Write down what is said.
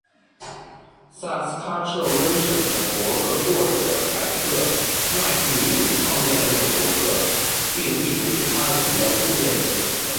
萨斯喀彻温省的博客作者凯特·麦克米伦创建了这个博客，并一直是它的主要贡献者。